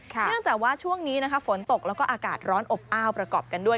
เนื่องจากว่าช่วงนี้ฝนตกแล้วก็อากาศร้อนอบอ้าวประกอบกันด้วย